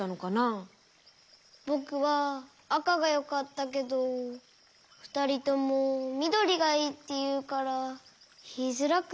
ぼくはあかがよかったけどふたりともみどりがいいっていうからいいづらくて。